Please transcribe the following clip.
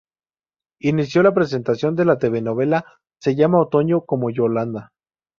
Inició la presentación la telenovela se llama Otoño como Yolanda.